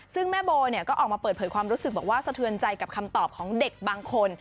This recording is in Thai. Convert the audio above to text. ซึ่งแม่โบก็ออกมาเปิดเผยความรู้สึกบอกว่าสะเทือนใจกับคำตอบของเด็กบางคน